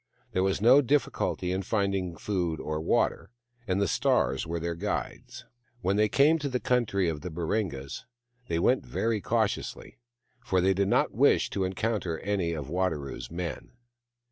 There was no difficulty in finding food or water, and the stars were their guides. When they came to the country of the Baringas they went very cautiously, for they did not wish to encounter any of Wadaro's men.